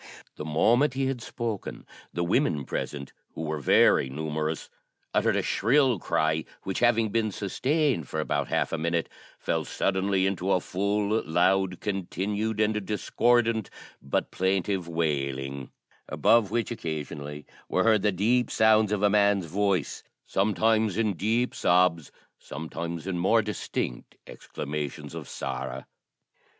The moment he had spoken, the women present, who were very numerous, uttered a shrill cry, which, having been sustained for about half a minute, fell suddenly into a full, loud, continued, and discordant but plaintive wailing, above which occasionally were heard the deep sounds of a man's voice, sometimes in deep sobs, sometimes in more distinct exclamations of sorrow.